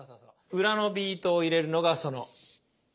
裏のビートを入れるのがその部分ね。